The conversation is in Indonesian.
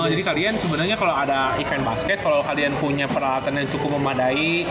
jadi kalian sebenarnya kalau ada event basket kalau kalian punya peralatan yang cukup memadai